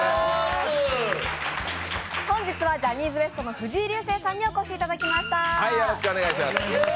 本日はジャニーズＷＥＳＴの藤井流星さんにお越しいただきました。